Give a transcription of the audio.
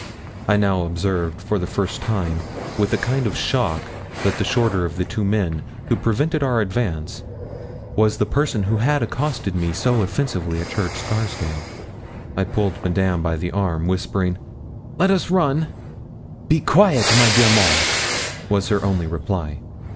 I now observed for the first time, with a kind of shock, that the shorter of the two men, who prevented our advance, was the person who had accosted me so offensively at Church Scarsdale. I pulled Madame by the arm, whispering, 'Let us run.' 'Be quaite, my dear Maud,' was her only reply.